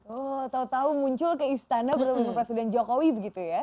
oh tau tau muncul ke istana bertemu dengan presiden jokowi begitu ya